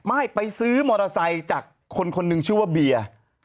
ไม่ไปซื้อมอเตอร์ไซค์จากคนคนหนึ่งชื่อว่าเบียร์